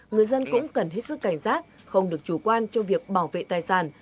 người dân cũng cần hết sức cảnh giác không được chủ quan cho việc bảo vệ tài sản